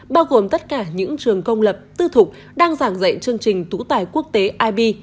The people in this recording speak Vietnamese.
bao gồm tất cả những trường công lập tư thục đang giảng dạy chương trình tú tài quốc tế ib